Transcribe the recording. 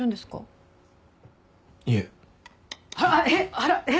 あらえっ？